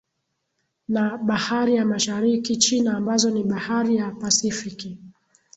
Na Bahari ya Mashariki China ambazo ni Bahari ya Pasifiki